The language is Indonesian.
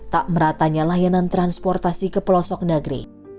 tak meratanya layanan transportasi ke pelosok negeri